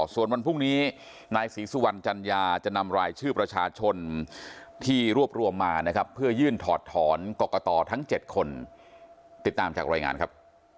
ส่วนวันพรุ่งนี้นายศรีสุวรรณจัญญาจะนำรายชื่อประชาชนที่รวบรวมมานะครับเพื่อยื่นถอดถอนกรกตทั้ง๗คนติดตามจากรายงานครับ